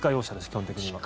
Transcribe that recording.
基本的には。